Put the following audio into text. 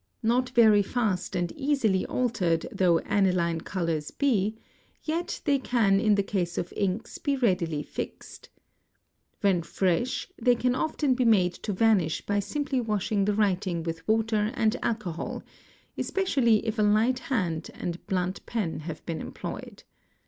Not very fast and easily altered though aniline colours be, yet they can in the case of inks be readily fixed: When fresh, they can often be made to vanish by : simply washing the writing with water and alcohol, especially if a light hand and blunt pen have been employed.